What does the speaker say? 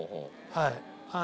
はい。